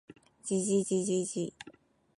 じじじじじ